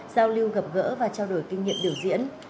giao lưu gặp gỡ và trao đổi kinh nghiệm biểu diễn